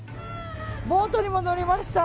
ボートにも乗りました。